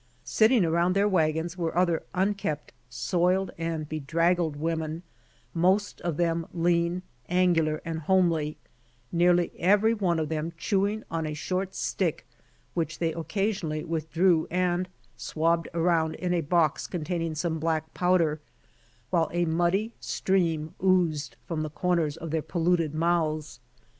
Sitting around their wagons were other unkempt, soiled and bedraggled women, most of them lean, angular and homely, nearly every one of them chewing on a short stick, which they occasionally withdrew and swabbed around in a box containing somie black powder, while a muddy stream oozed from the corners of their polluted mouths.